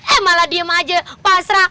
eh malah diem aja pasrah